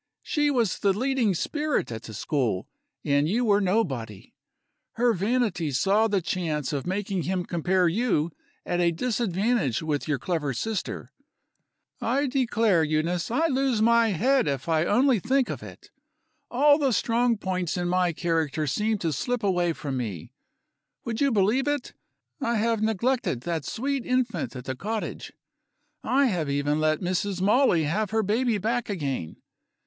she was the leading spirit at the school, and you were nobody. Her vanity saw the chance of making him compare you at a disadvantage with your clever sister. I declare, Euneece, I lose my head if I only think of it! All the strong points in my character seem to slip away from me. Would you believe it? I have neglected that sweet infant at the cottage; I have even let Mrs. Molly have her baby back again.